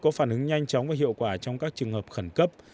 có phản ứng nhanh chóng và hiệu quả trong các trường hợp khẩn cấp